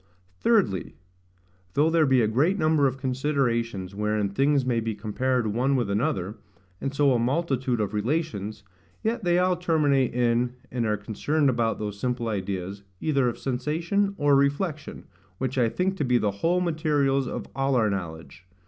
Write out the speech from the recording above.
Thirdly, Though there be a great number of considerations wherein things may be compared one with another, and so a multitude of relations, yet they all terminate in, and are concerned about those simple ideas, either of sensation or reflection, which I think to be the whole materials of all our knowledge.